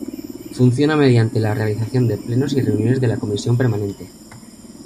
Funciona mediante la realización de Plenos y reuniones de la Comisión Permanente.